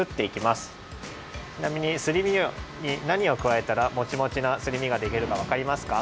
ちなみにすり身になにをくわえたらモチモチなすり身ができるかわかりますか？